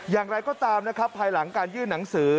อย่างไรก็ตามนะครับภายหลังการยื่นหนังสือ